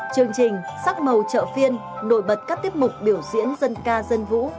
chương trình sắc màu chợ phiên nổi bật các tiết mục biểu diễn dân ca dân vũ